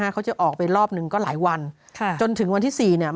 เขาจะออกไปรอบหนึ่งก็หลายวันจนถึงวันที่๔เนี่ย